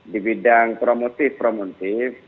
di bidang promotif promotif